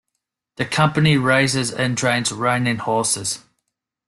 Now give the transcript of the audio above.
The company raises and trains reining horses.